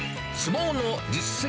相撲の実績